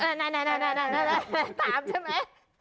คุณต้องการอะไร